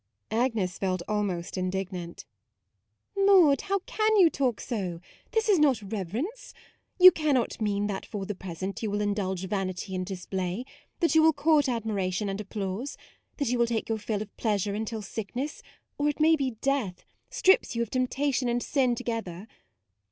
Agnes felt almost indignant. " Maude, how can you talk so ? this is not reverence. You cannot mean that for the present you will indulge vanity and display ; that you will court admiration and applause; that you will take your fill of pleas ure until sickness, or it may be death, MAUDE 75 strips you of temptation and sin to gether.